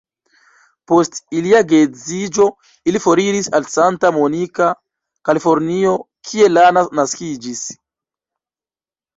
Post ilia geedziĝo ili foriris al Santa Monica, Kalifornio kie Lana naskiĝis.